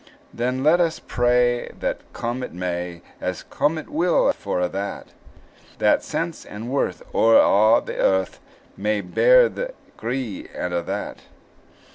Then let us pray that come it may, As come it will for a' that, That sense and worth, o'er a' the earth, May bear the gree, and a' that.